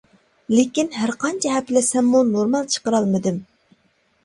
لېكىن، ھەر قانچە ھەپىلەشسەممۇ نورمال چىقىرالمىدىم.